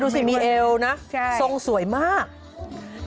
ดูสิมีเอวนะทรงสวยมากใช่